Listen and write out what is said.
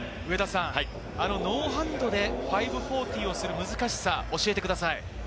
ノーハンドで５４０をする難しさ教えてください。